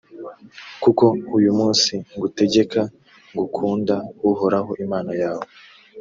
kuko uyu munsi ngutegeka gukunda uhoraho imana yawe,